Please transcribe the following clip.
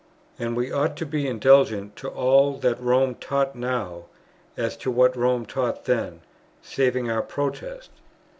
And we ought to be indulgent to all that Rome taught now, as to what Rome taught then, saving our protest.